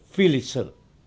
phi lịch sử